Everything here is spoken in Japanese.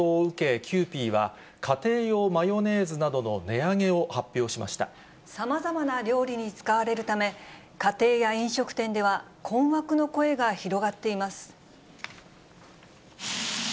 卵の価格の高騰を受け、キユーピーは、家庭用マヨネーズなどの値さまざまな料理に使われるため、家庭や飲食店では困惑の声が広がっています。